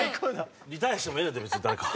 リタイアしてもええねんで別に誰か。